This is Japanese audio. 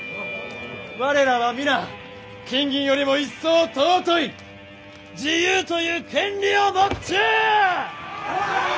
我らは皆金銀よりも一層尊い自由という権利を持っちゅう！